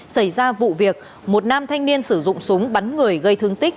xảy ra vụ việc một nam thanh niên sử dụng súng bắn người gây thương tích